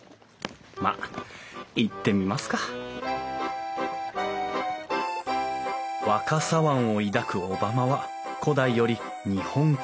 まあ行ってみますか若狭湾を抱く小浜は古代より日本海の玄関口。